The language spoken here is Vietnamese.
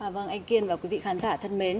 vâng anh kiên và quý vị khán giả thân mến